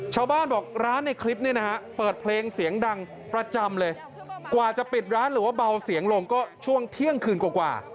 ชาวบ้านบอกร้านในคลิปเนี่ยนะฮะเปิดเพลงเสียงดังประจำเลยกว่าจะปิดร้านหรือว่าเบาเสียงลงก็ช่วงเที่ยงคืนกว่า